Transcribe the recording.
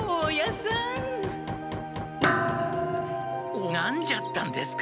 おがんじゃったんですか？